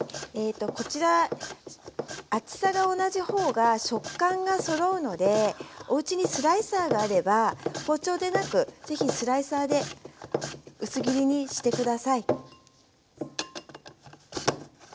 こちら厚さが同じ方が食感がそろうのでおうちにスライサーがあれば包丁でなく是非スライサーで薄切りにして下さい。